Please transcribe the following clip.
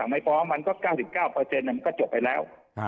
มันก็๙๙เปอร์เซ็นต์ก็จบไปแล้ว